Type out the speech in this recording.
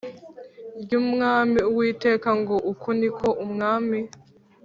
ry Umwami Uwiteka ngo Uku ni ko Umwami